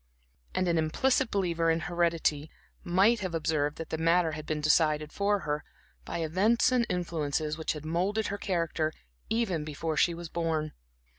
And an implicit believer in heredity might have observed that the matter had been decided for her, by events and influences which had moulded her character even before she was born.